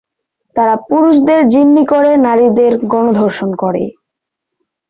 তারা পুরুষদের জিম্মি করে, নারীদের গণধর্ষণ করে।